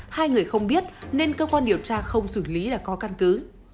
hai người không biết nên cơ quan điều tra không xử lý là có căn cứ